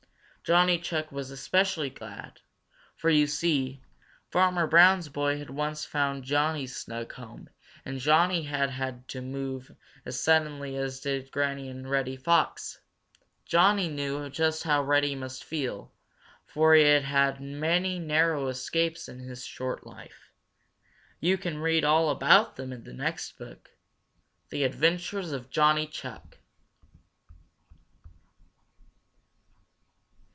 Johnny Chuck was especially glad, for, you see, Farmer Brown's boy had once found Johnny's snug home, and Johnny had had to move as suddenly as did Granny and Reddy Fox. Johnny knew just how Reddy must feel, for he had had many narrow escapes in his short life. You can read all about them in the next book, The Adventures of Johnny Chuck.